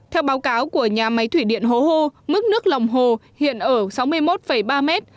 theo báo cáo của nhà máy thủy điện hố hô mức nước lòng hồ hiện ở sáu mươi một ba mét